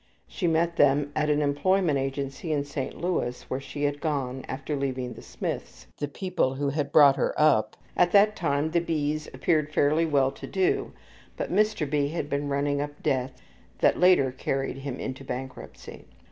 She met them at an employment agency in St. Louis where she had gone after leaving the Smiths, the people who had brought her up. At that time the B.'s appeared fairly well to do, but Mr. B. had been running up debts that later carried him into bankruptcy.